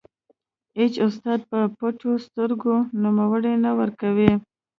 اېڅ استاد په پټو سترګو نومرې نه ورکوي.